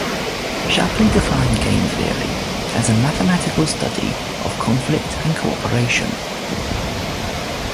Shapley defined game theory as a mathematical study of conflict and cooperation.